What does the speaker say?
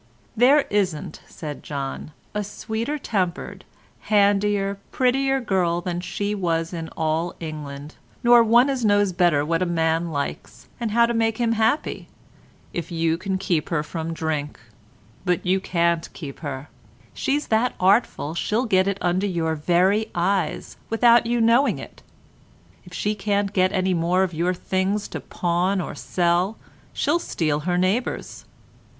"There isn't," said John, "a sweeter tempered, handier, prettier girl than she was in all England, nor one as knows better what a man likes, and how to make him happy, if you can keep her from drink; but you can't keep her; she's that artful she'll get it under your very eyes, without you knowing it. If she can't get any more of your things to pawn or sell, she'll steal her neighbours'.